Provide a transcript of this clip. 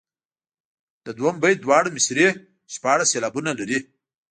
د دوهم بیت دواړه مصرعې شپاړس سېلابونه لري.